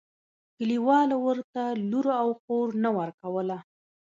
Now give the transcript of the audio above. کلیوالو ورته لور او خور نه ورکوله.